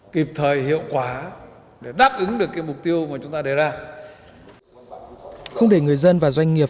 kịp thời hiệu quả để đáp ứng được mục tiêu mà chúng ta đề ra không để người dân và doanh nghiệp